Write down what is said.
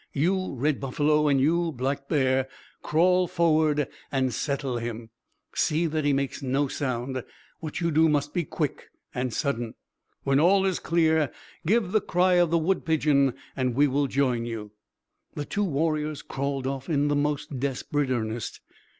You, Red Buffalo, and you, Black Bear, crawl forward and settle him. See that he makes no sound. What you do must be quick and sudden. When all is clear give the cry of the wood pigeon, and we will join you." The two warriors crawled off in most desperate earnest.